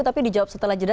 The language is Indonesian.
tapi dijawab setelah jeda